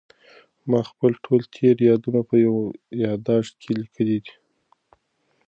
ما خپل ټول تېر یادونه په یو یادښت کې لیکلي دي.